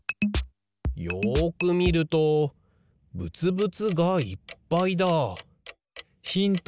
よくみるとぶつぶつがいっぱいだ。